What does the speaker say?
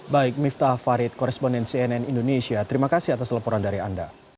baik miftah farid koresponden cnn indonesia terima kasih atas laporan dari anda